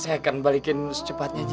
saya akan balikin secepatnya